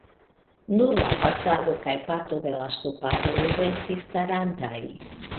Nur la fasado kaj parto de la ŝtuparo restis starantaj.